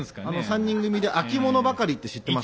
３人組で「秋物ばかり」って知ってます？